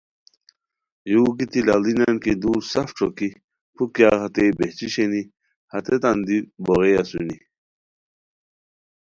یو گیتی لاڑینیان کی دور سف ݯوکی پھوک کیاغ ہتئے بہچی شینی، ہتیتان دیتی بوغئے اسونی